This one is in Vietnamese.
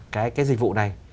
cái dịch vụ này